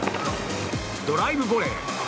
ドライブボレー！